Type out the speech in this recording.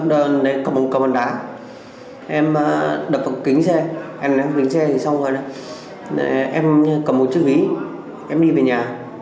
thì trong khi đó là em cầm một cầm bàn đá em đập vỡ kính xe em đập vỡ kính xe thì xong rồi em cầm một chiếc ví em đi về nhà